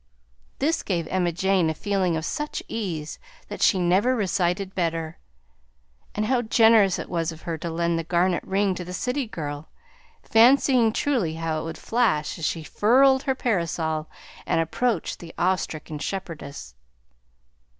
This gave Emma Jane a feeling of such ease that she never recited better; and how generous it was of her to lend the garnet ring to the city girl, fancying truly how it would flash as she furled her parasol and approached the awe stricken shepherdess!